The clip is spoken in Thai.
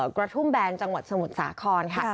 กระทุ่มแบนจังหวัดสมุทรสาครค่ะ